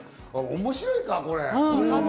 面白いか、これ。